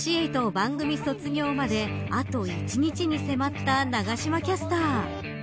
番組卒業まであと１日に迫った永島キャスター。